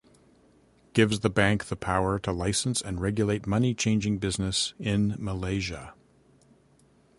Gives the bank the power to license and regulate money changing business in Malaysia.